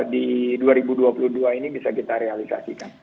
di dua ribu dua puluh dua ini bisa kita realisasikan